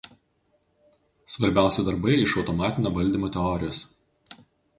Svarbiausi darbai iš automatinio valdymo teorijos.